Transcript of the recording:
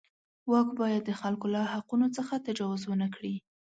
واک باید د خلکو له حقونو څخه تجاوز ونه کړي.